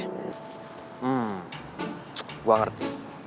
hmm gua ngerti